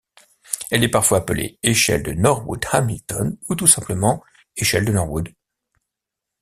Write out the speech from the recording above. Elle est parfois appelée échelle de Norwood–Hamilton ou tout simplement échelle de Norwood.